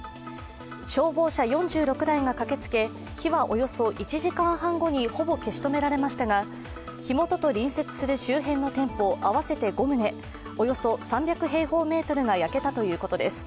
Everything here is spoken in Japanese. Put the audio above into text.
消防車４６台が駆けつけ、火はおよそ１時間半後にほぼ消し止められましたが火元と隣接する周辺の店舗、合わせて５棟、およそ３００平方メートルが焼けたということです。